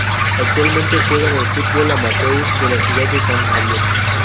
Actualmente juega en el fútbol amateur de la ciudad de san javier.